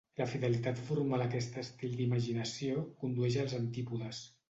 La fidelitat formal a aquest estil d'imaginació condueix als antípodes.